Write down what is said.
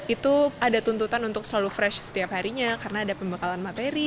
itu ada tuntutan untuk selalu fresh setiap harinya karena ada pembekalan materi